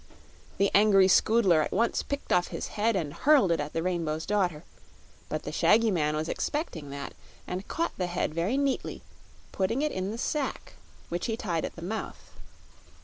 The angry Scoodler at once picked off his head and hurled it at the Rainbow's Daughter; but the shaggy man was expecting that, and caught the head very neatly, putting it in the sack, which he tied at the mouth.